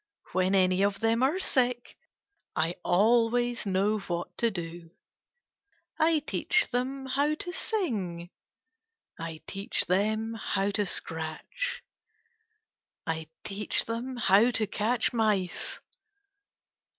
When any of them are sick I always know what to do. I teach them how to sing. I teach them how to scratch. I teach them how to catch mice.